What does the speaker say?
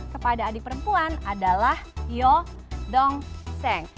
kepada adik perempuan adalah hyo dong seng